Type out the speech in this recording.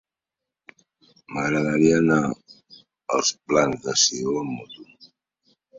M'agradaria anar als Plans de Sió amb moto.